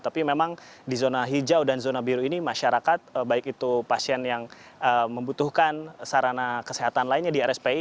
tapi memang di zona hijau dan zona biru ini masyarakat baik itu pasien yang membutuhkan sarana kesehatan lainnya di rspi